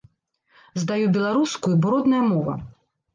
Здаю беларускую, бо родная мова.